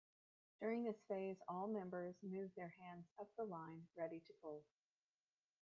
During this phase all members move their hands up the line ready to pull.